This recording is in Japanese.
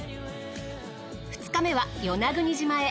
２日目は与那国島へ。